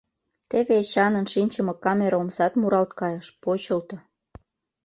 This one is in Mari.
Теве Эчанын шинчыме камера омсат муралт кайыш, почылто.